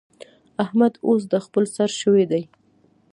احمد اوس د خپل سر شوی دی.